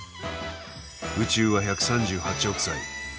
宇宙は１３８億歳。